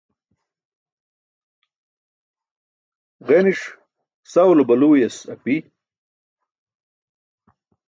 Ġeniṣ sawulo baluuẏas api.